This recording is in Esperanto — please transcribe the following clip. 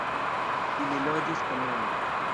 Ili loĝis komune.